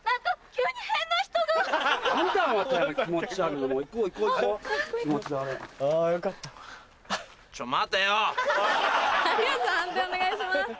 判定お願いします。